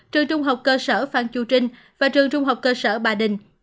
trường trung học cơ sở phan chu trinh và trường trung học cơ sở bà đình